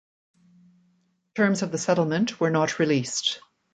Terms of the settlement were not released.